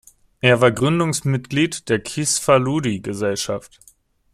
Er war Gründungsmitglied der Kisfaludy-Gesellschaft.